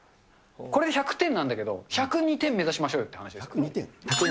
これで１００点なんだけど、１０２点目指しましょうよってい１０２点？